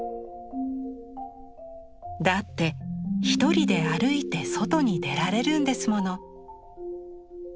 「だって一人で歩いて外に出られるんですもの」。